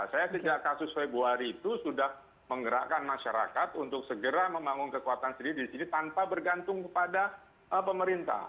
saya sejak kasus februari itu sudah menggerakkan masyarakat untuk segera membangun kekuatan sendiri di sini tanpa bergantung kepada pemerintah